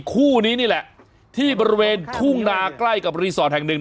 คู่นี้นี่แหละที่บริเวณทุ่งนาใกล้กับรีสอร์ทแห่งหนึ่ง